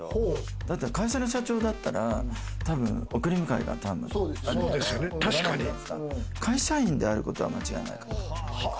だって会社の社長だったら多分送り迎えが、会社員であることは間違いないわけです。